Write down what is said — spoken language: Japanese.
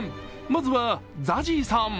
まずは、ＺＡＺＹさん。